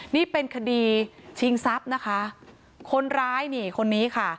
นี่เป็นคดีชิงซับนะคะคนร้ายคนนี้ค่ะ